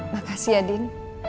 makasih ya din